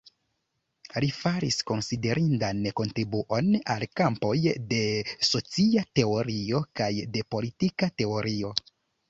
Li faris konsiderindan kontribuon al kampoj de socia teorio kaj de politika teorio.